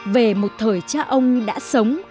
về một thời cha ông đã sống